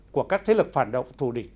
của các thế lực phản động thù địch